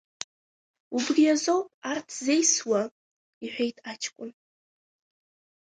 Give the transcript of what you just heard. Убри азоуп арҭ ззеисуа, — иҳәеит аҷкәын.